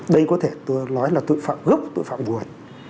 đây có thể tôi nói là tội phạm gốc tội phạm buôn